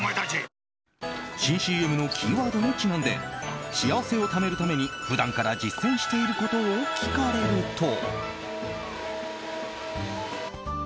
新ＣＭのキーワードにちなんで幸せをためるために普段から実践していることを聞かれると。